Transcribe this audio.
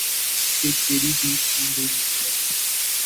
اِک تیری دید چِھن گئی مجھ سے